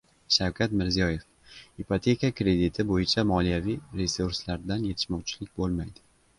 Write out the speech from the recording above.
Shavkat Mirziyoev: Ipoteka krediti bo‘yicha moliyaviy resurslardan yetishmovchilik bo‘lmaydi